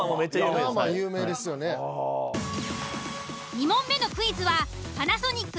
２問目のクイズは「パナソニック」